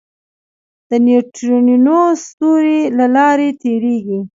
د نیوټرینو ستوري له لارې تېرېږي.